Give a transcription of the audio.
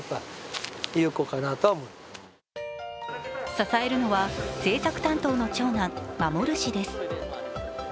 支えるのは政策担当の長男・守氏です。